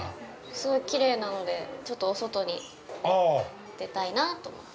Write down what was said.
◆すごいきれいなのでちょっとお外に出たいなと思って。